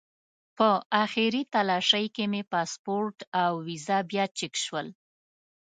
په آخري تالاشۍ کې مې پاسپورټ او ویزه بیا چک شول.